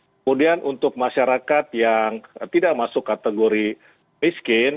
kemudian untuk masyarakat yang tidak masuk kategori miskin